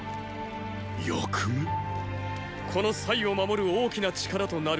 このを守る大きな力となること。